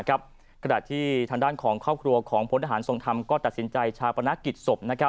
ขณะที่ทางด้านของครอบครัวของพลทหารทรงธรรมก็ตัดสินใจชาปนกิจศพ